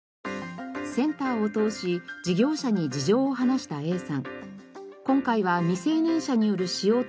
センターをとおし事業者に事情を話したＡさん。